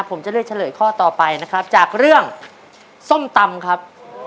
ผมจะเลือกเฉลยข้อต่อไปนะครับจากเรื่องส้มตำครับ